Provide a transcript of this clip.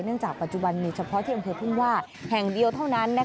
เนื่องจากปัจจุบันนี้เฉพาะที่เธอพึ่งว่าแห่งเดียวเท่านั้น